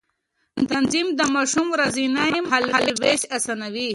تنظيم د ماشوم ورځنی مهالوېش آسانوي.